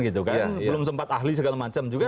belum sempat ahli segala macam juga